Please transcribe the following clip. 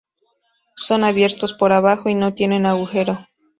Son abiertos por abajo y no tienen agujero.